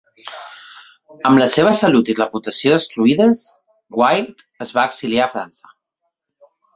Amb la seva salut i reputació destruïdes, Wilde es va exiliar a França.